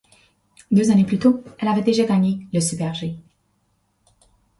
Deux années plus tôt, elle avait déjà gagné le super-G.